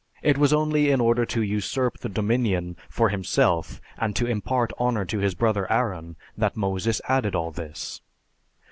It was only in order to usurp the dominion for himself and to impart honor to his brother Aaron, that Moses added all this."